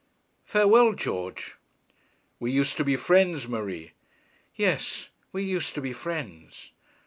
'Farewell, George.' 'We used to be friends, Marie.' 'Yes; we used to be friends.'